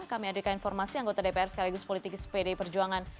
kami adilkan informasi anggota dpr sekaligus politik pd perjuangan